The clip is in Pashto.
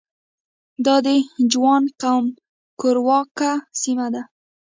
دا د جوانګ قوم کورواکه سیمه ده.